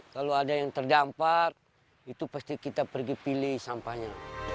kalau ada yang terdampar itu pasti kita pergi pilih sampahnya